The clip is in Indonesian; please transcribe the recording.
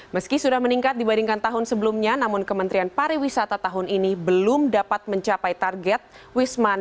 meski sudah meningkat dibandingkan tahun sebelumnya namun kementerian pariwisata tahun ini belum dapat mencapai target wisman